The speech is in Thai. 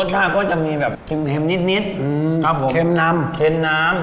รสชาติก็จะมีแบบเข็มเข็มนิดนิดอืมครับผมเค็มน้ำเค็มน้ำ